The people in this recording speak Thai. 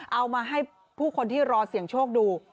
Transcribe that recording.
เอามาให้ผู้คนที่รอเสี่ยงโชคดู